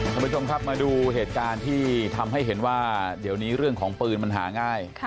คุณผู้ชมครับมาดูเหตุการณ์ที่ทำให้เห็นว่าเดี๋ยวนี้เรื่องของปืนมันหาง่าย